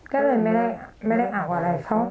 ก็เลยไม่ได้เอาอะไร